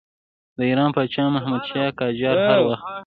د ایران پاچا محمدشاه قاجار هر وخت.